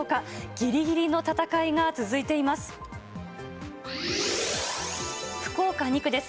ぎりぎりの戦いが続いています。